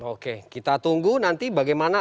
oke kita tunggu nanti bagaimana